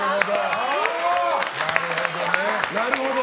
なるほど。